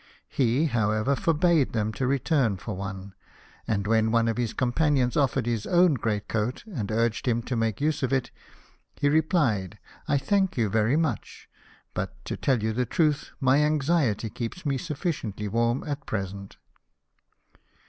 He, however, forbade them to return for one, and when one of his companions offered his own great coat, and urged him to make use of it, he replied, " I thank you very much — but, to tell you the truth, my anxiety keeps me sufficiently warm at present."